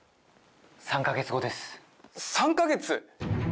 ３か月後です３か月！？